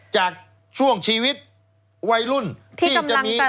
จากช่วงชีวิตวัยรุ่นที่จะมี